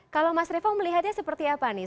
kalau mas revo melihatnya seperti apa nih